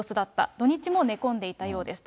土日も寝込んでいたようですと。